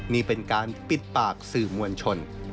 นี่เป็นการปิดปากสื่อมวลชน